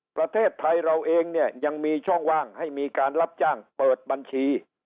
ประเทศไทยเราเองเนี่ยยังมีช่องว่างให้มีการรับจ้างเปิดบัญชี